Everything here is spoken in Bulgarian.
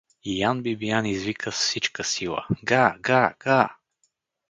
И Ян Бибиян извика с всичка сила: — Га, га, га!